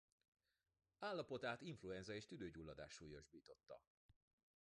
Állapotát influenza és tüdőgyulladás súlyosbította.